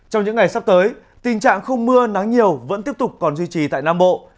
trong những ngày sắp tới tình trạng không mưa nắng nhiều vẫn tiếp tục còn duy trì tại nam bộ